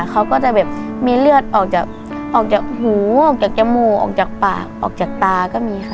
เขาก็จะแบบมีเลือดออกจากหูออกจากจมูกออกจากปากออกจากตาก็มีค่ะ